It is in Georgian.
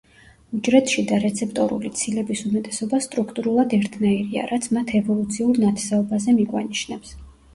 უჯრედშიდა რეცეპტორული ცილების უმეტესობა სტრუქტურულად ერთნაირია, რაც მათ ევოლუციურ ნათესაობაზე მიგვანიშნებს.